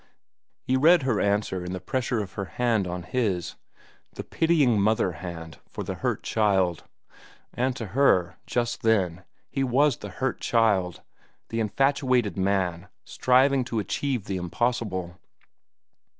He read her answer in the pressure of her hand on his—the pitying mother hand for the hurt child. And to her, just then, he was the hurt child, the infatuated man striving to achieve the impossible.